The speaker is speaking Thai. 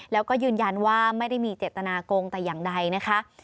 แล้วก็ยืนยันว่าไม่ได้มีเจตนาโกงแต่อย่างใดนะคะ